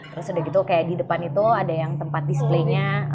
terus udah gitu kayak di depan itu ada yang tempat display nya